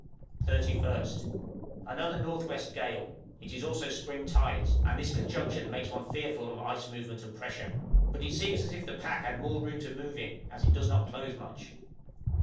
31st. Another N.W. gale; it is also spring tides, and this conjunction makes one fearful of ice movement and pressure; but it seems as if the pack had more room to move in, as it does not close much.